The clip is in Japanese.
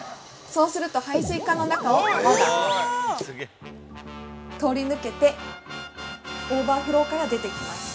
そうすると、排水管の中を泡が通り抜けて、オーバーフローから出てきます。